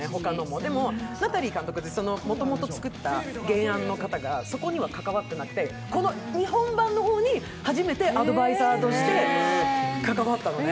でも、ナタリー監督ってもともと作った原案の方からそこには関わってなくて、この日本版の方に初めてアドバイザーとして関わったのね。